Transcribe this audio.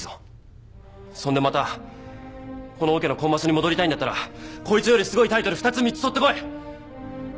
そんでまたこのオケのコンマスに戻りたいんだったらこいつよりすごいタイトル二つ三つ取ってこい。